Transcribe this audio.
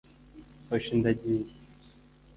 Hoshi ndagiye!”